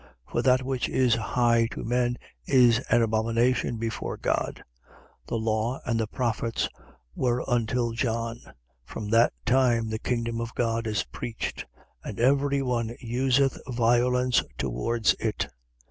For that which is high to men is an abomination before God. 16:16. The law and the prophets were until John. From that time the kingdom of God is preached: and every one useth violence towards it.